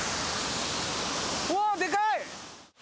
うわ、でかい！